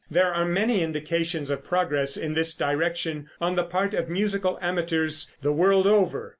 There are many indications of progress in this direction on the part of musical amateurs the world over.